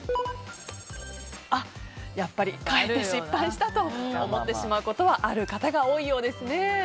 やっぱり、変えて失敗したと思ってしまうことがある方が多いようですね。